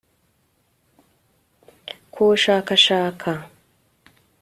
kuwushakashaka